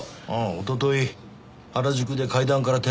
おととい原宿で階段から転落した女だ。